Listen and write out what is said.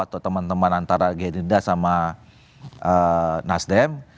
atau teman teman antara gerindra sama nasdem